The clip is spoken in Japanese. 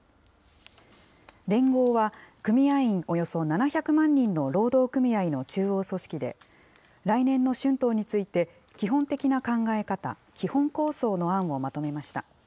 連合は組合員およそ７００万人の労働組合の中央組織で、来年の春闘について、基本的な考え方、基本構想の案をまとめました。